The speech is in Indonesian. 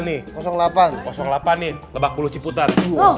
delapan delapan ini lebak bulu ciputan